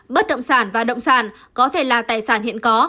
bất động sản và động sản có thể là tài sản hiện có